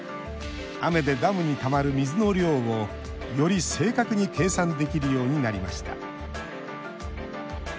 雨でダムにたまる水の量をより正確に計算できるようになりました。